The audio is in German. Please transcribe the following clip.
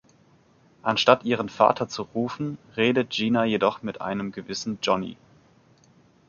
Anstatt ihren Vater zu rufen, redet Gina jedoch mit einem gewissen Johnny.